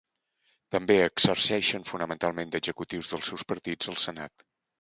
També exerceixen fonamentalment d"executius dels seus partits al senat.